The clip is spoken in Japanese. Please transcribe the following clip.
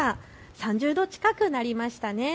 ３０度近くなりました。